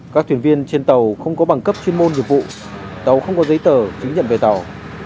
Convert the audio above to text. các thuyền viên trên tàu không có bằng cấp chuyên môn nghiệp vụ tàu không có giấy tờ chứng nhận về tàu